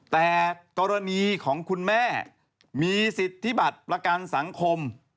แต่กรณีของคุณแม่มีสิทธิบัตรประกันสังคม